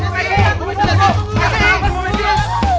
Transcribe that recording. bu mes si bu mes si